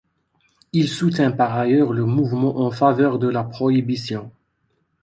Il soutint par ailleurs le mouvement en faveur de la Prohibition.